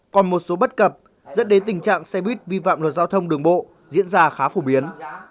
còn một số bất cập dẫn đến tình trạng xe buýt vi phạm luật giao thông đường bộ diễn ra khá phổ biến